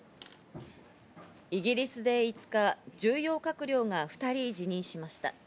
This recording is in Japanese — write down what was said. イギリスで５日、重要閣僚が２人辞任しました。